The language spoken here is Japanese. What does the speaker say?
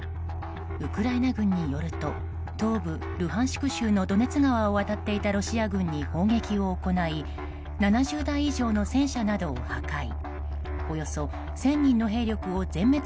ウクライナ軍によると東部ルハンシク州のドネツ川を渡っていたロシア軍に砲撃を行い７０台以上の戦車を壊滅。